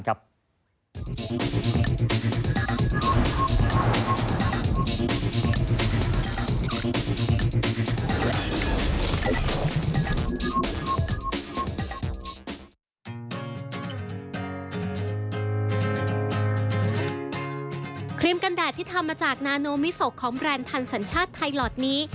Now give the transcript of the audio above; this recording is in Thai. ครีมกันแดดที่ทำมาจากนาโนมิโซของแบรนด์ทันสัญชาติไทยหลอดนี้